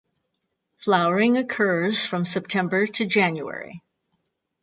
Flowering occurs from September to January.